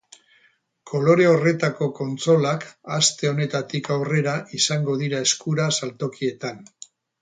Kolore horretako kontsolak aste honetatik aurrera izango dira eskura saltokietan.